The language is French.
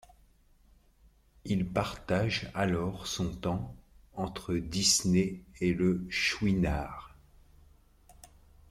Il partage alors son temps entre Disney et le Chouinard.